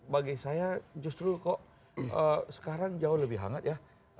bagi saya justru kok sekarang jauh lebih hangat ya